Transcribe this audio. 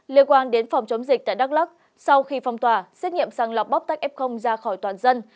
liên quan đến phòng chống dịch tại đắk lắc sau khi phong tỏa xét nghiệm sàng lọc bóc tách f ra khỏi toàn dân